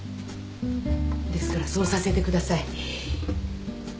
ですからそうさせてください。